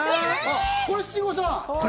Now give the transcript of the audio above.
これ七五三？